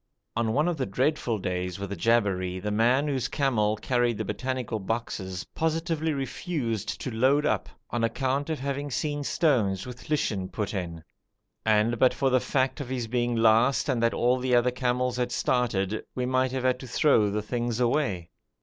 On one of the dreadful days with the Jabberi, the man whose camel carried the botanical boxes positively refused to load up, on account of having seen stones with lichen put in; and but for the fact of his being last and that all the other camels had started, we might have had to throw the things away.